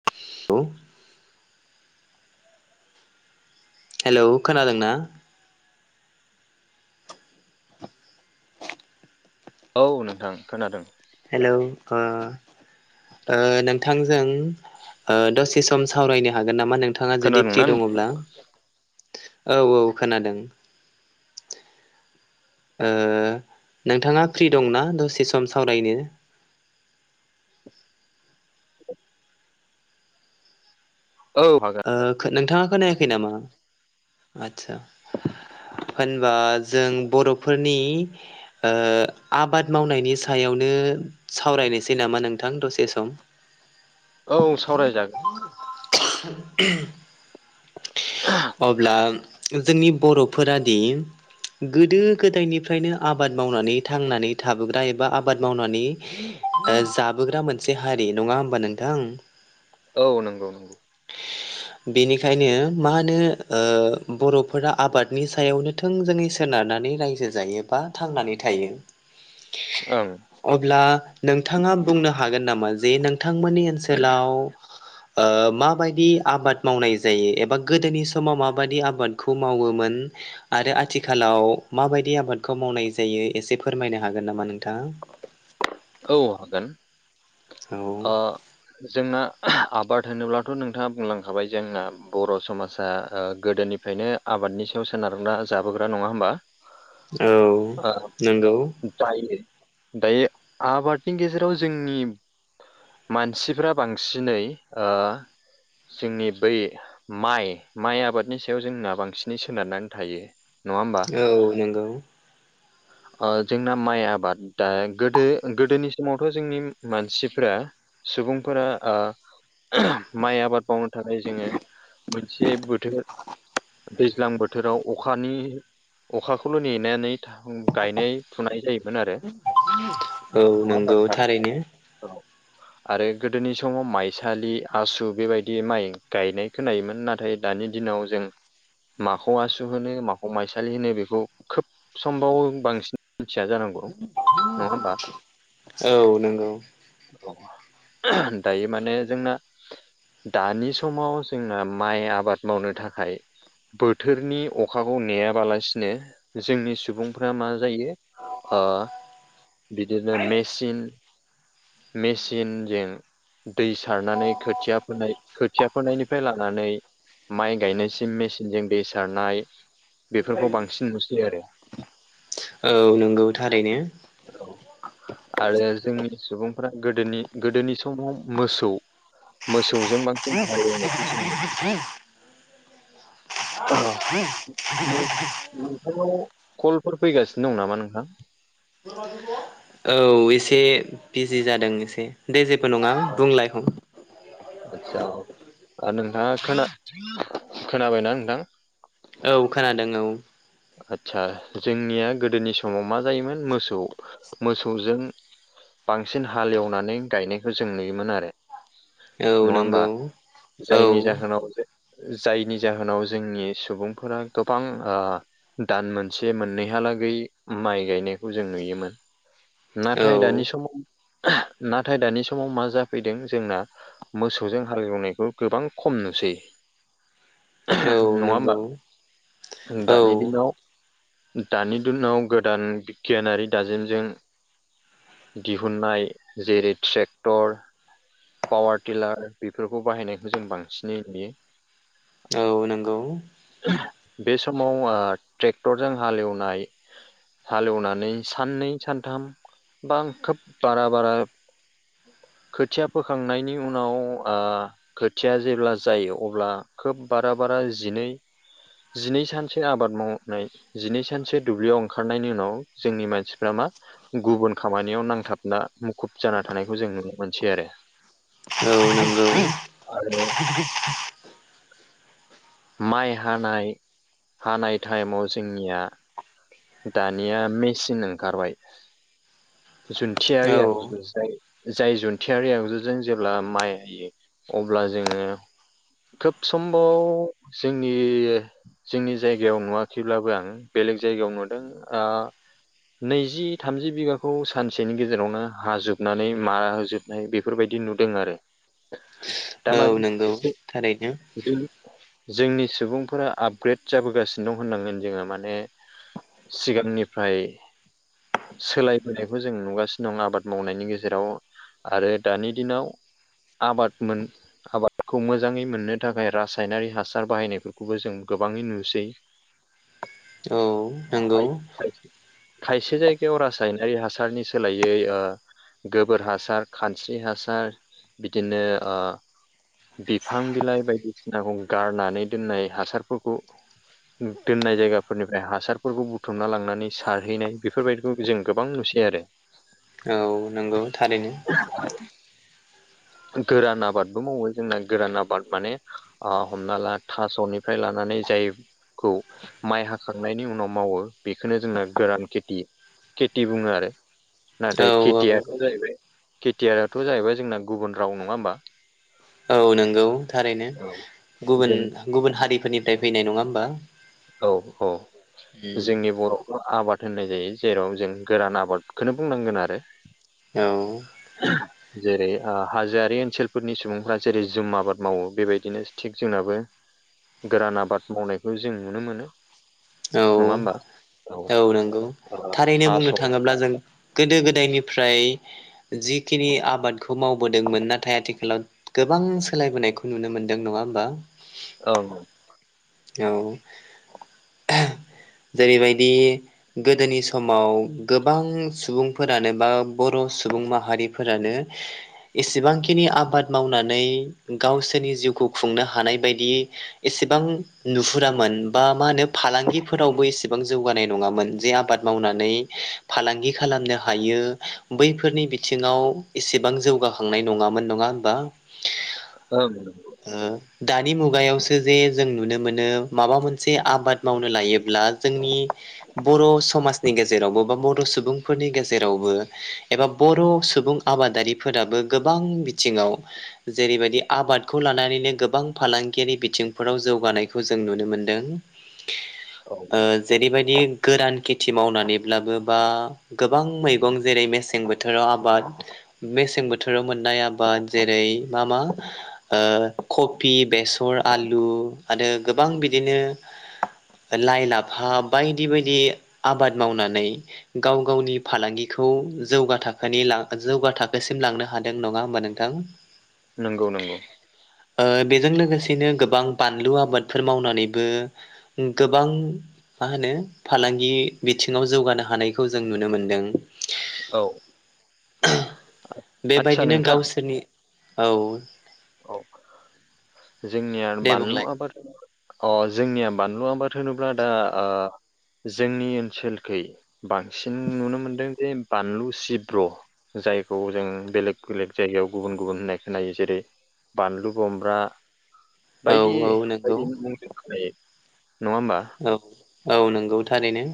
[unintelligible] Hello खोनादों ना? औ नोंथां खोनादों। हेलौ ओ ओ नोंथांजों ओ दसे सम सावरायनो हागोन नामा नों थाङा जुदि फ्रि खोनादोंना दङ'ब्ला औ औ खोनादों। ओ नोंथांङा फ्रि दंना दसे सम सावरायनो? औ हागोन ओ खो नोंथाङा हागोन खोनायाखै नामा? आदसा होनबा जों बर'फोरनि ओ आबाद मावनायनि सायावनो सावरायनोसै नामा नोंथां दसे सम? औ सावरायजागोन [inaudible] [inaudible] अब्ला जोंनि बर'फोरादि गोदो गोदायनिफ्रायनो आबाद मावनानै थांनानै थाबोग्रा एबा आबाद मावनानै ओ जाबोग्रा मोनसे हारि नङा होमबा नोंथां? औ नंगौ। बेनिखायनो मा होनो ओ बर'फोरा आबादनि सायावनो थोंजोङै सोनारनानै रायजो जायोबा थांनानै थायो। ओम। अब्ला नोंथाङा बुंनो हागोन नामा जे नोंथांमोननि ओनसोलाव ओ माबायदि आबाद मावनाय जायो एबा गोदोनि स समाव माबादि आबादखौ मावोमोन आरो आथिखालाव माबायदि आबादखौ मावनाय जायो एसे फोरमायनो हागोन नामा नोंथां? औ हागोन औ अ जोंना आबाद होनोब्लाथ' नोंथाङा बुंलांखाबाय जोंना बर' समाजा ओ गोदोनि फ्रायनो आबादनि सायाव सोनारग्रा जाबोग्रा नङा होमबा? औ ओ नंगौ। दायो दायो आबादनि गेजेराव जोंनि मानसिफ्रा बांसिनै ओ जोंनि बै माइ माइ आबादनि सायाव जोंना बांसिनै सोनारनानै थायो। नङा होमबा औ नंगौ अ जोंना माइ आबादा गोदो गोदोनि समावथ' जोंनि मानसिफोरा सुबुंफोरा आ माइ आबाद मावनो थाखाय जोङो मोनसे बोथोर दैज्लां बोथोराव अखानि अखाखौल' नेनानै था गायनाय फुनाय जायोमोन आरो। [unintelligible] नङा होमबा नंगौ नोंथां थारैनो औ। आरो गोदोनि समाव माइसालि आसु बेबायदि माइ गायनाय खोनायोमोन नाथाय दानि दिनाव जों माखौ आसु होनो माखौ माइसालि होनो बेखौ खोब समफब बांसिन मिथिया जानांगौ नङा होमबा औ नंगौ। दायो माने जोंना दानि समाव जोंना माइ आबाद मावनो थाखाय बोथोरनि अखाखौ नेयाबालासिनो जोंनि सुबुंफोरा मा जायो अ बिदिनो मेसिन मेचिनजों दै सारनानै खोथिया फोनाय खोथिया फोनायनिफ्राय लानानै माइ गायनायसिम मेचिनजों दै सारनाय बेफोरखौ बांसिन नुसै आरो। औ नंगौ थारैनो। औ आरो जोंनि सुबुंफोरा गोदोनि गोदोनि समाव मोसौ मोसौजों मा [inaudible] नुयो नों [inaudible] नोंथांनाव कलफोर फैगासिनो दं नामा नोंथां औ एसे बिजि जादों एसे दे जेब बो नङा आ- बुंलायह आदसा औ आरो नोंथाङा खोना खोनाबायना नोंथां औ खोनादों औ आदसा जोंनिया गोदोनि समाव मा जायोमोन मोसौ मोसौजों बांसिन हालेवनानै गायनायखौ जों नुयोमोन आरो औ नङा नंगौ होमबा औ जायनि जाहोनाव जों जायनि जाहोनाव जोंनि सुबुंफोरा गोबां ओ दान मोनसे मोननैहालागै माइ गायनायखौ जों नुयोमोन औ नाथाय दानि समाव नाथाय दानि समाव मा जाफैदों जोंना मोसौजों हालेवनायखौ गोबां खम नुसै औ नङा होमबा नंगौ दानि औ- दिनाव दानि दिनाव गोदान बिगियानारि दाजेमजों दिहुननाय जेरै ट्रेक्टर पावार टिलार बेफोरखौ बाहायनायखौ जों बांसिनै नुयो औ नंगौ बे समाव ट्रेक्टरजों हालेवनाय हालेवनानै साननै सानथाम बा खोब बारा बारा खोथिया फोखांनायनि उनाव ओ खोथिया जेब्ला जायो अब्ला खोब बारा बारा जिनै जिनै सानसो आबाद माव जिनै सानसो दुब्लियाव ओंखारनायनि उनाव जोंनि मानसिफ्रा मा गुबुन खामानियाव नांथाबना मुखुब जाना थानायखौ जों नुनो मोनसै आरो औ नोंगौ [inaudible] आरो माइ हानाय हानाय टाइमाव जोंनिया दानिया मेसिन ओंखारबाय औ जुन्थियारि आगजु जाय जाय जुनथियारि आगजुजों जेब्ला माइ हायो अब्ला जोङो खोब समबाव जोंनि जोंनि जायगायाव नुवाखैब्लाबो आं बेलेग जायगायाव नुदों ओ नैजि थामजि बिगाखौ सानसेनि गेजेरावनो हाजोबनानै मारा होजोब बेफोरबायदि नुदों आरो औ दामानि नंगौ एसे थारैनो जों जोंनि सुबुंफोरा आपग्रेड जाबोगासिनो दं होननांगोन जोङो माने सिगांनिफ्राय सोलायबोनायखौ जों नुगासिनो दं आबाद मावनायनि गेजेराव आरो दानि दिनाव आबाद मोन आबादफोरखौ मोजाङै मोननो थाखाय रासायनारि हासार बाहायनायफोरखौबो जों गोबाङै नुसै औ नंगौ खायसे जायगायाव रासायनारि हासारनि सोलायै गोबोर हासार खानस्रि हासार बिदिनो ओ बिफां बिलाइ बायदिसिनाखौ गारनानै दोननाय हासारफोरखौ दोननाय जायगाफोरनिफ्राय हासार फोरफोरखौ बुथुमना लांनानै सारहैनाय बेफोरबायदिखौ जों गोबां नुसै आरो। औ नंगौ थारैनो। गोरान आबादबो मावो जोंना गोरान आबाद माने। हमना ला थास'निफ्राय लानानै जायखौ माइ हाखांनायनि उनाव। मावो बेखौनो जोंना गोरान खेथि खेथि बुङो आरो। औ नाथाय औ खेथियाथ' जाहैबाय खेथियाथ' जाहैबाय जोंना गुबुन राव नङा होमबा। औ नंगौ थारैनो औ गुबुन जों गुबुन हारिफोरनिफ्राय फैनाय नङा होमबा। औ औ जोंनि बर' आबाद होननाय जायो जेराव जों गोरान आबादखौनो बुंनांगोन आरो। औ जेरै हाजोआरि ओनसोलफोरनि सुबुंफ्रा जेरै जुम आबाद मावो बेबायदिनो थिग जोंनाबो। गोरान आबाद मावनायखौ जों नुनो मोनो। औ नङा होमबा औ नंगौ ओ थारैनो थास' बुंनो थाङोब्ला जों। जिखिनि आबादखौ मावबोदोंमोन नाथाय आथिखालाव। गोबां सोलायबोनायखौ नुनो मोनदों नङा होनबा। औ औ जेरैबायदि। गोदोनि समाव गोबां सुबुंफोरानो बा बर' सुबुं माहारिफोरानो एसेबांखिनि आबाद मावनानै गावसोरनि जिउखौ खुंनो हानाय बायदि एसेबां नुहुरामोन बा मा होनो फालांगिफोरावबो एसेबां जौगानाय नङामोन। जे आ आबाद मावनानै फालांगि खालामनो हायो बैफोरनि बिथिङाव एसेबां जौगाखांनाय नङामोन नङा होमबा? औ नंगो। ओ दानि मुगायावसो जे जों नुनो मोनो माबा मोनसे आबाद मावनो लायोब्ला जोंनि बर' स समाजनि गेजेरावबो बा बर' सुबुंफोरनि गेजेरावबो एबा बर' सुबुं आबादारिफोराबो गोबां बिथिङाव जेरैबायदि आबादखौ लानानैनो गोबां फालांगियारि बिथिंफोराव जौगानायखौ जों मोनदों। औ ओ जेरैबायदि गोरान खिथ थि मावनानैब्लाबो बा गोबां मैगं जेरै मेसें बोथोराव आबाद मेसें बोथोराव मोननाय आबाद जेरै मा - मा ओ खपि, बेसर, आलु आरो गोबां बिदिनो लाइ लाफा बायदि - बायदि आबाद मावनानै गाव गावनि फालांगिखौ जौगा थाखोनि ला जौगा थाखोसिम लांनो हा [unintelligible] नङा होमबा नोंथां। नंगौ नंगौ ओ बेजों लोगोसेनो गोबां बानलु आबादफोर मावनानैबो गोबां मा होनो फालांगि बिथिङाव जौगानो हानायखौ जों नुनो मोन्दों। औ आदसा बेबायदिनो नोंथां गावसोरनि औ। औ। जोंनिया दे बानलु बुंलाय आबाद अ जोंनिया बानलु आबाद होनोब्ला दा ओ जोंनि ओनसोलखै बांसिन नुनो मोनदों जे बानलु सिब्र। जायखौ जों बेलेग - बेलेग जायगायाव गुबुन - गुबुन होननाय खोनायो जेरै बानलु बमब्रा औ बायदि औ नंगौ बायदिनि मुंजों खोनायो नङा होमबा। औ - औ नंगौ थारैनो।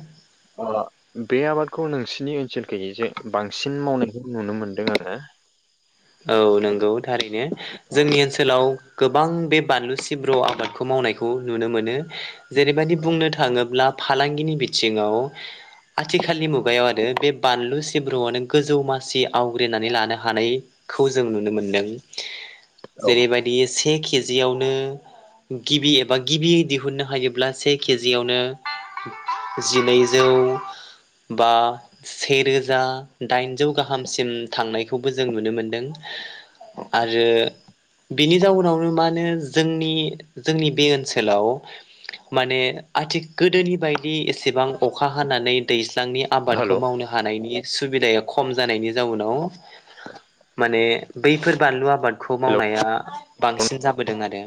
अ [inaudible] बे आबादखौ नोंसोरनि ओनसोलखै जे बांसिन मावनायखौ नुनो मोनदों आरो। औ नंगौ थारैनो। औ जोंनि ओनसोलाव गोबां बे बानलु सिब्र' आबादखौ मावनायखौ नुनो मोनो। जेरैबायदि औ बुंनो थाङोब्ला फालांगिनि बिथिङाव आथिखालनि मुगायाव आरो बे बानलु सिब्रुआनो गोजौ मासि आवग्रिनानै लानो हानाय खौ जों नुनो मोनदों। औ जेरैबायदि से केजियावनो गिबि एबा गिबियै दिहुननो हायोब्ला से केजिआवनो जिनैजौ बा सेेरोजा दाइनजौ गाहामसिम थांनायखौबो जों नुनो मोनो। दों आरो बिनि जाउनावनो मा होनो जोंनि-जोंनि बे ओनसोलाव माने आथि गोदोनि बायदि एसेबां अखा हानानै दैज्लांनि हेल' आबादखौ मावनो हानायनि सुबिदाया खम जानायनि जाउनाव माने बैफोर बानलु आबादखौ मावनाया बांसिन जाबोदों आरो।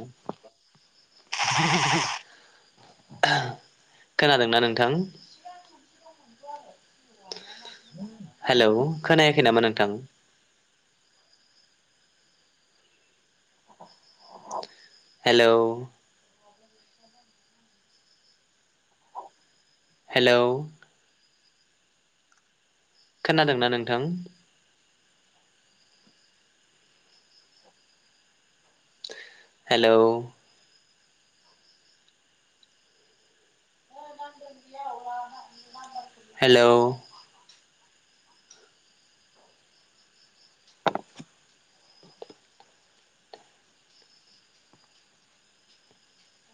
खोनादोंना नोंथां? हेल'। खोनायाखै नामा नोंथां? हेलौ। हेलौ। खोनादोंना नोंथां? हेलौ। हेलौ।